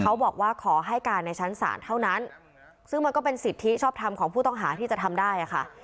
ขอให้การในชั้นศาลเท่านั้นซึ่งมันก็เป็นสิทธิชอบทำของผู้ต้องหาที่จะทำได้ค่ะ